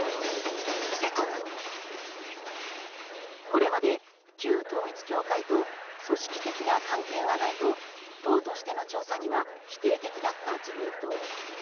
これまで、旧統一教会と組織的な関係はないと党としての調査には否定的だった自民党。